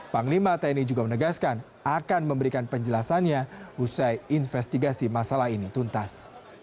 panglima tni juga menegaskan akan memberikan penjelasannya usai investigasi masalah ini tuntas